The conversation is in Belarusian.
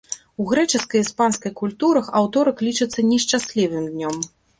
У грэчаскай і іспанскай культурах аўторак лічыцца нешчаслівым днём.